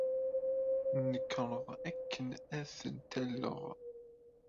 Nneknaɣ akken ad tent-alleɣ.